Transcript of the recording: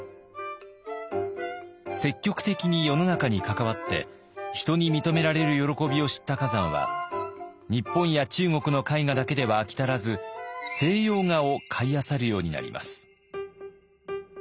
積極的に世の中に関わって人に認められる喜びを知った崋山は日本や中国の絵画だけでは飽き足らず西洋画を買いあさるようになります。